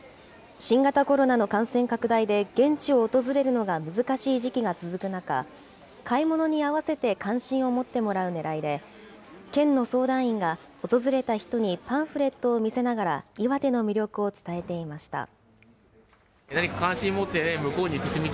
新型コロナの感染拡大で現地を訪れるのが難しい時期が続く中、買い物に合わせて関心を持ってもらうねらいで、県の相談員が、訪れた人にパンフレットを見せながら岩手の魅力を伝えていました。